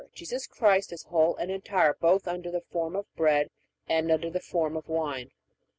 Jesus Christ is whole and entire both under the form of bread and under the form of wine.